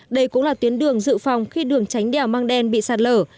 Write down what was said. đây cũng là tuyến đường dự phòng khi đường tránh đèo măng đen bị sạt lở